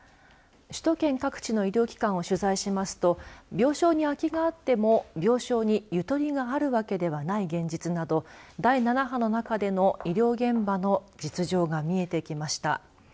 首都圏各地の医療機関を取材しますと病床に空きがあっても病床にゆとりがあるわけではない現実など第７波の中での医療現場の実情が見えてきました。